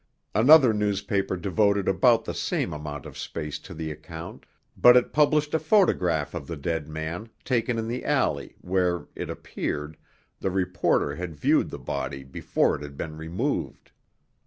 Another newspaper devoted about the same amount of space to the account, but it published a photograph of the dead man, taken in the alley, where, it appeared, the reporter had viewed the body before it had been removed.